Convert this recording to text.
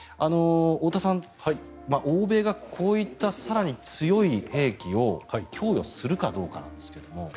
太田さん、欧米がこういった更に強い兵器を供与するかどうかなんですが。